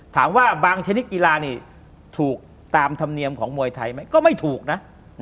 บางชนิดกีฬานี่ถูกตามธรรมเนียมของมวยไทยไหมก็ไม่ถูกนะ